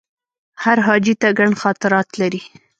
هر حاجي ته ګڼ خاطرات لري.